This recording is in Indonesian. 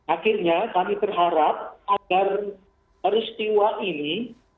akhirnya kami berharap agar peristiwa ini